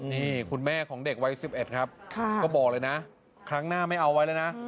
นี่คุณแม่ของเด็กวัย๑๑ครับก็บอกเลยนะครั้งหน้าไม่เอาไว้แล้วนะ